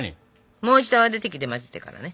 もう一度泡立て器で混ぜてからね。